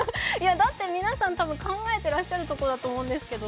だって皆さん考えてらっしゃるところだと思うんですけど。